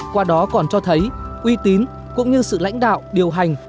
qua đó còn cho thấy uy tín cũng như sự lãnh đạo điều hành